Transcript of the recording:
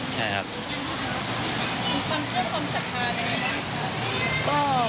ใช่ครับมีความเชื่อความศักรณาได้ไหมครับ